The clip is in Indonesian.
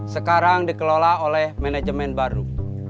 sekarang dikelola oleh manajemen baru